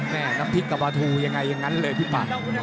น้ำพริกกับปลาทูยังไงอย่างนั้นเลยพี่ปัด